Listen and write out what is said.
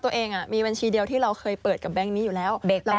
ตัวเองมีบัญชีเดียวที่เราเคยเปิดกับแก๊งนี้อยู่แล้ว